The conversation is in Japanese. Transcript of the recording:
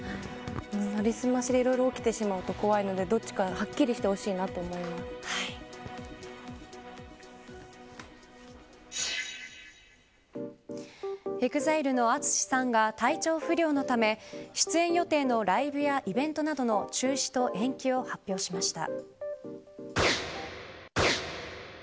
なりすましでいろいろ起きてしまうと怖いのでどっちかはっきりしてほしいなとＥＸＩＬＥのＡＴＳＵＳＨＩさんが体調不良のため出演予定のライブやイベントなどの中止と延期を発表しました。